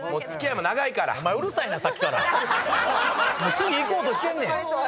次行こうとしてんねん。